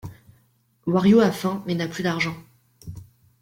Wario a faim mais n'a plus d'argent.